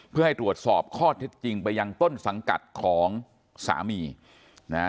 เพื่อให้ตรวจสอบข้อเท็จจริงไปยังต้นสังกัดของสามีนะฮะ